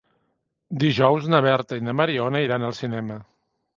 Dijous na Berta i na Mariona iran al cinema.